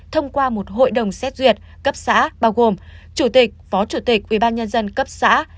thông qua một hội đồng xét duyệt cấp xã bao gồm chủ tịch phó chủ tịch ubnd cấp xã